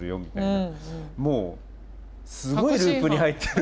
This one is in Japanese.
もうすごいループに入ってる。